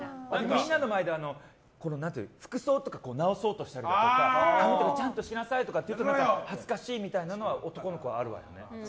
みんなの前で服装とか直そうとしたりだとか髪とかちゃんとしなさいって言うと恥ずかしいみたいなのは男の子はあるわよね。